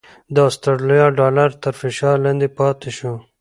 د اسټرالیا ډالر تر فشار لاندې پاتې شو؛